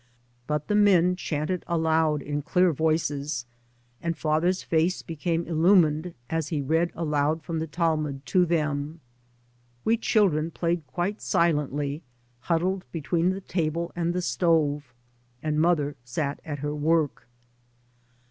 But the men chanted aloud in clear voices, and father's face became illumined as he read aloud from the Talmud to them. We chil dren played quite silently, huddled between the table and the stove, and mother sat at her work.